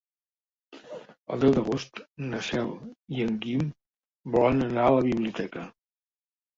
El deu d'agost na Cel i en Guim volen anar a la biblioteca.